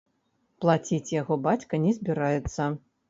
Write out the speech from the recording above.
Плаціць яго бацька не збіраецца.